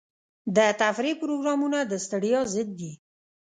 د تفریح پروګرامونه د ستړیا ضد دي.